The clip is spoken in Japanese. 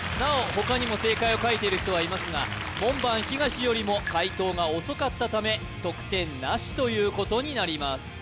他にも正解を書いている人はいますが門番東よりも解答が遅かったため得点なしということになります